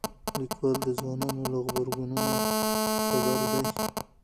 لیکوال د ځوانانو له غبرګونونو خبر دی.